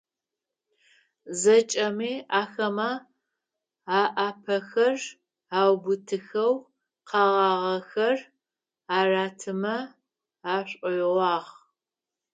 ЗэкӀэми ахэмэ alaпэхэр аубытыхэу, къэгъагъэхэр аратымэ ашӀоигъуагъ.